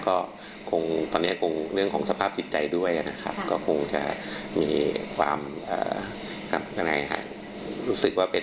ก็คงตอนนี้คงเรื่องของสภาพจิตใจด้วยนะครับก็คงจะมีความยังไงรู้สึกว่าเป็น